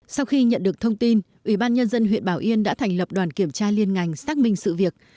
sau khi nhận được thông tin ủy ban nhân dân huyện bảo yên đã thành lập đoàn kiểm tra liên ngành xác minh sự việc